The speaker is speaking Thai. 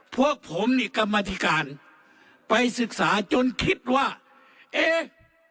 พวกผมนี่กรรมธิการไปศึกษาจนคิดว่าเอ๊ะ